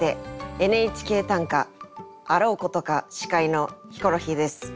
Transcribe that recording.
「ＮＨＫ短歌」あろうことか司会のヒコロヒーです。